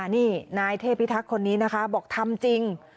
นี่นายเทพิทักษ์คนนี้นะคะบอกทำจริง